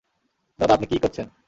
দাদা, আপনি কী করছেন?